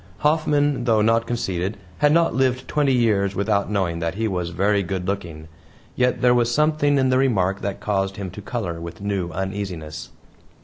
Hoffman, though not conceited, had not lived twenty years without knowing that he was very good looking, yet there was something in the remark that caused him to color with a new uneasiness.